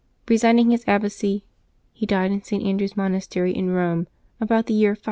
Eesigning his abbacy, he died in St. Andrew^s monastery in Eome, about the year 585.